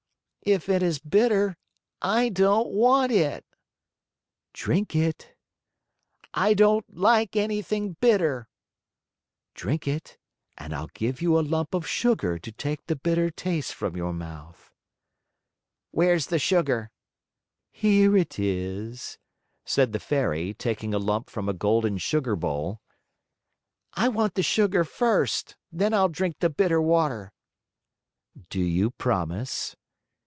"If it is bitter, I don't want it." "Drink it!" "I don't like anything bitter." "Drink it and I'll give you a lump of sugar to take the bitter taste from your mouth." "Where's the sugar?" "Here it is," said the Fairy, taking a lump from a golden sugar bowl. "I want the sugar first, then I'll drink the bitter water." "Do you promise?"